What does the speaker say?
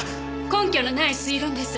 根拠のない推論です。